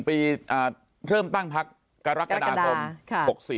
ปีเริ่มตั้งพักกรกฎาคม๖๔